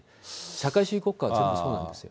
社会主義国家は全部そうなんですよ。